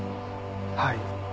はい。